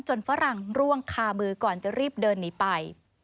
ฝรั่งร่วงคามือก่อนจะรีบเดินหนีไป